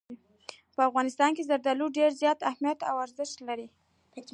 په افغانستان کې زردالو ډېر زیات اهمیت او ارزښت لري.